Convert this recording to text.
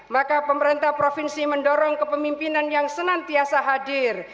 maka pemerintah provinsi mendorong kepemimpinan yang senantiasa hadir